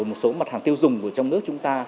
một số mặt hàng tiêu dùng của trong nước chúng ta